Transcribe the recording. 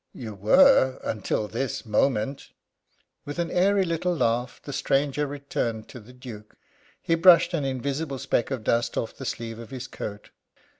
"You were until this moment." With an airy little laugh the stranger returned to the Duke. He brushed an invisible speck of dust off the sleeve of his coat.